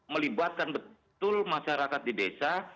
melibatkan betul masyarakat di desa